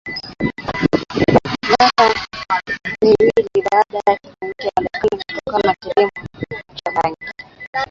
miaka miwili baada yake kuingia madarakani kutokana na kilimo cha bangi